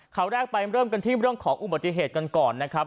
ข่าวแรกไปเริ่มกันที่เรื่องของอุบัติเหตุกันก่อนนะครับ